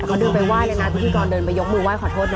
เขาเดินไปไห้เลยนะพิธีกรเดินไปยกมือไห้ขอโทษนะ